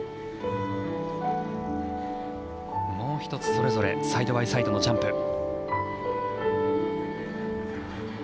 もう１つ、それぞれサイドバイサイドのジャンプ。